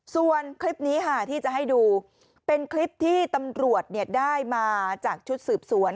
ส่วนคลิปนี้ค่ะที่จะให้ดูเป็นคลิปที่ตำรวจได้มาจากชุดสืบสวน